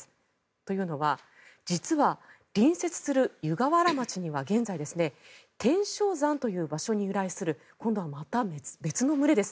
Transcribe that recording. というのは実は隣接する湯河原町には現在、天照山という場所に由来する今度はまた別の群れです。